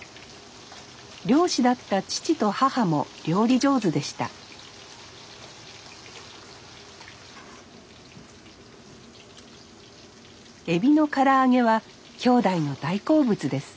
漁師だった父と母も料理上手でしたエビのから揚げは兄弟の大好物です